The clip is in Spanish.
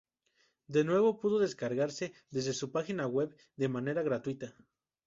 De nuevo pudo descargarse desde su página web de manera gratuita.